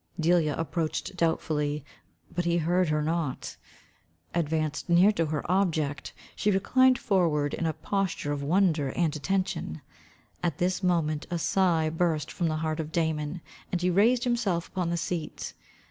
Delia approached doubtfully, but he heard her not. Advanced near to her object, she reclined forward in a posture of wonder and attention. At this moment a sigh burst from the heart of Damon, and he raised himself upon the seat.